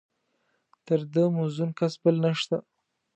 تر ده موزون کس بل نشته.